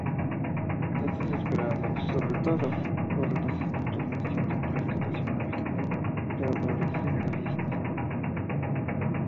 Es depredado, sobre todo, por rapaces nocturnas siendo presa ocasional de predadores generalistas.